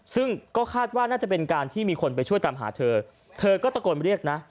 ซึ่งก็คาดว่าน่าจะเป็นการที่มีคนไปช่วยตามหาเธอเธอก็ตะโกนเรียกนะ